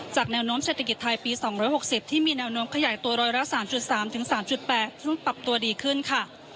แนวโน้มเศรษฐกิจไทยปี๒๖๐ที่มีแนวโน้มขยายตัวร้อยละ๓๓๘ซึ่งปรับตัวดีขึ้นค่ะ